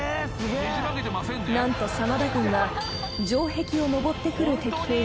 ［何と真田軍は城壁を登ってくる敵兵に］